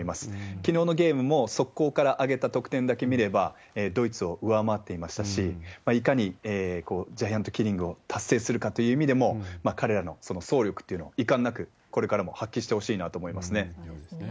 きのうのゲームも、速攻から挙げた得点だけ見れば、ドイツを上回っていましたし、いかにジャイアントキリングを達成するかという意味でも、彼らの総力っていうのをいかんなくこれからも発揮してほしいなとそうですね。